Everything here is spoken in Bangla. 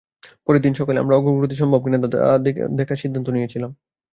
পরের দিন সকালে, আমরা অগ্রগতি সম্ভব কিনা তা দেখার সিদ্ধান্ত নিয়েছিলাম।